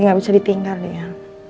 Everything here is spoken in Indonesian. ini gak bisa ditinggal ya